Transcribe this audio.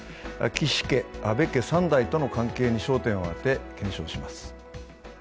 岸家、安倍家３代との関係に焦点を当て検証します。